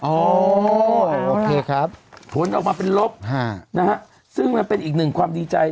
โอ้โฮโอเคครับนะฮะผลออกมาเป็นลบซึ่งมันเป็นอีกหนึ่งความดีใจ